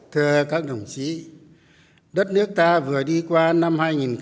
thưa các đồng chí đất nước ta vừa đi qua năm hai nghìn một mươi